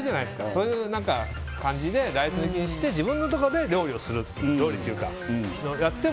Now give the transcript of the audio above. そういう感じでライス抜きにして自分のところで料理をする料理というか。